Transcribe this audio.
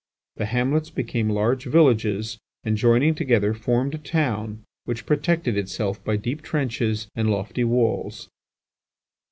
The hamlets became large villages and joining together formed a town which protected itself by deep trenches and lofty walls.